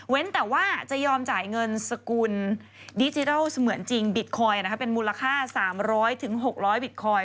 แต่ว่าจะยอมจ่ายเงินสกุลดิจิทัลเสมือนจริงบิตคอยน์เป็นมูลค่า๓๐๐๖๐๐บิตคอยน